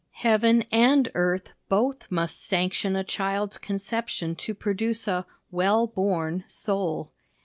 Heaven and earth both must sanction a child's conception to produce a "well born" soul.